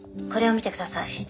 これを見てください。